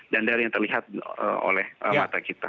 dan dari yang terlihat oleh mata kita